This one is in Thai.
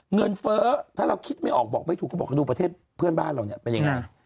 เฟ้อถ้าเราคิดไม่ออกบอกไม่ถูกก็บอกดูประเทศเพื่อนบ้านเราเนี่ยเป็นยังไง